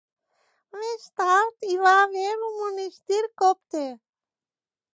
Més tard hi va haver un monestir copte.